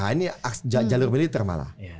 ini jalur militer malah